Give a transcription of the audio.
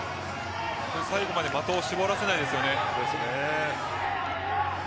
最後まで的を絞らせないですよね。